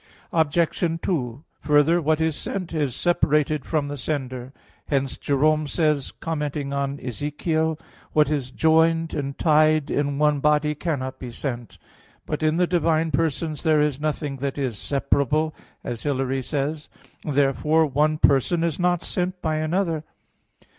Obj. 2: Further, what is sent is separated from the sender; hence Jerome says, commenting on Ezech. 16:53: "What is joined and tied in one body cannot be sent." But in the divine persons there is nothing that is separable, as Hilary says (De Trin. vii). Therefore one person is not sent by another.